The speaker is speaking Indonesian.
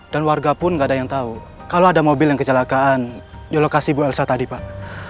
dan warga pun nggak ada yang tahu kalau ada mobil yang kecelakaan di lokasi bu elsa tadi pak